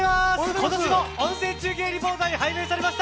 今年も温泉中継レポーターに拝命されました。